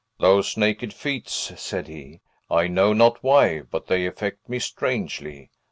"Those naked feet!" said he. "I know not why, but they affect me strangely.